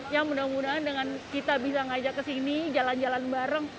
ya mudah mudahan dengan kita bisa ngajak kesini jalan jalan bareng